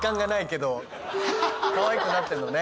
かわいくなってるのね。